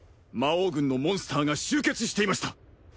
魔王軍のモンスターが集結していました。